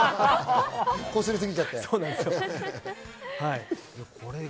こすりすぎちゃって。